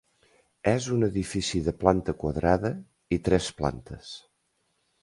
És un edifici de planta quadrada i tres plantes.